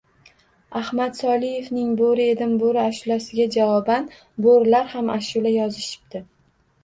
Adham Soliyevning "Bo'ri edim, bo'ri!" ashulasiga javoban bo'rilar ham ashula yozishibdi